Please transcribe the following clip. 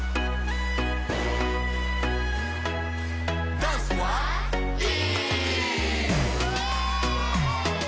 ダンスはＥ！